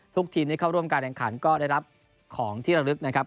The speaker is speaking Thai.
ทีมที่เข้าร่วมการแข่งขันก็ได้รับของที่ระลึกนะครับ